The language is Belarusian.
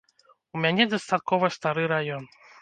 У мяне дастаткова стары раён.